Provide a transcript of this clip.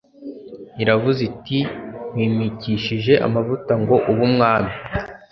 iravuze iti Nkwimikishije amavuta ngo ube umwami